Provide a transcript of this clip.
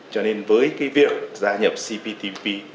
cho nên với cái việc gia nhập cptpp